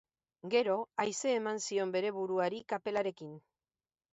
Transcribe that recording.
Gero haize eman zion bere buruari kapelarekin.